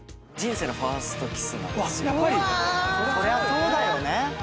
やっぱり⁉そりゃそうだよね。